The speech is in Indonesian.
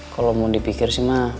kalo mondi pikir sih ma